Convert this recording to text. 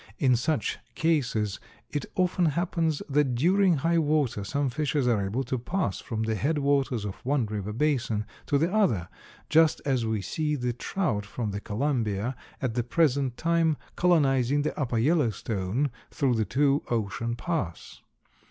In such cases it often happens that during high water some fishes are able to pass from the head waters of one river basin to the other, just as we see the trout from the Columbia at the present time colonizing the upper Yellowstone through the Two Ocean Pass.